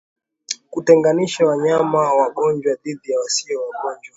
Kutenganisha wanyama wagonjwa dhidi ya wasio wagonjwa